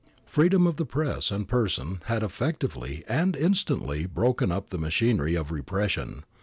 Freedom of press and person had effectively and instantly broken up the machinery of repression.